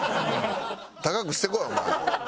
高くしてこいお前。